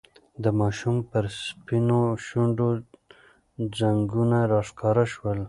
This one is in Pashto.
د ماشوم پر سپینو شونډو ځگونه راښکاره شول.